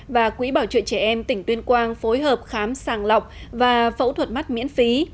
và quỹ bảo trợ trẻ em tỉnh tuyên quang phối hợp khám sàng lọc và phẫu thuật mắt miễn phí